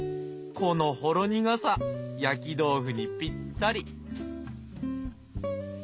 このほろ苦さ焼き豆腐にぴったり！